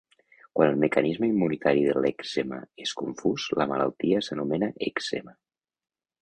Quan el mecanisme immunitari de l'èczema és confús, la malaltia s'anomena èczema.